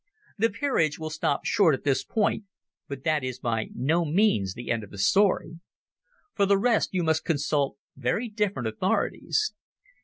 The Peerage will stop short at this point, but that is by no means the end of the story. For the rest you must consult very different authorities.